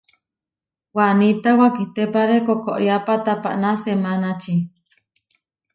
Waníta wakitépare koʼkoriápa tapaná semánači.